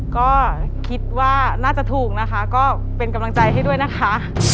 ก็คิดว่าน่าจะถูกนะคะก็เป็นกำลังใจให้ด้วยนะคะ